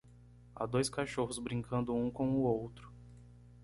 Há dois cachorros brincando um com o outro.